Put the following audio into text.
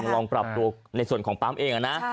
ลองปรับตัวในส่วนของปั๊มเองนะ